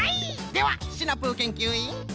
ではシナプーけんきゅういん！